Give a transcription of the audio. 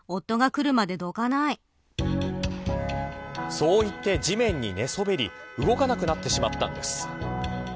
そう言って、地面に寝そべり動かなくなってしまったんです。